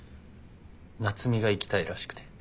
夏海が行きたいらしくて。